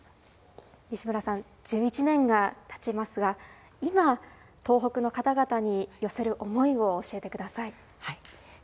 西村さん、１１年がたちますが、今、東北の方々に寄せる思いを教えてください。